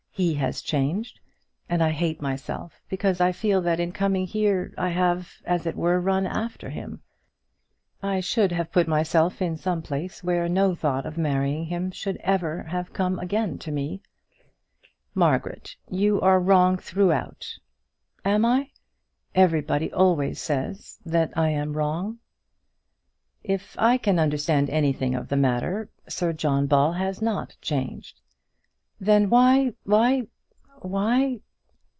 He has changed; and I hate myself, because I feel that in coming here I have, as it were, run after him. I should have put myself in some place where no thought of marrying him should ever have come again to me." "Margaret, you are wrong throughout." "Am I? Everybody always says that I am always wrong." "If I can understand anything of the matter, Sir John Ball has not changed." "Then, why why why?"